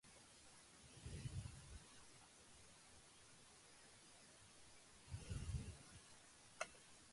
Such wines would have also withstood time and the vagaries of transportation much better.